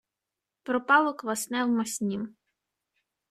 Пропало квасне в маснім.